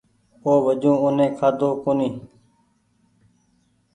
اوُ وجون اوني کآۮو ڪونيٚ